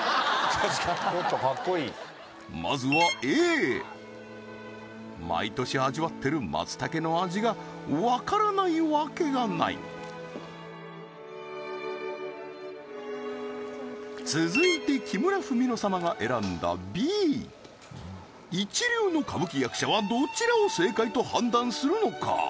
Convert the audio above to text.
ちょっとかっこいいまずはＡ毎年味わってる松茸の味がわからないわけがない続いて木村文乃様が選んだＢ一流の歌舞伎役者はどちらを正解と判断するのか？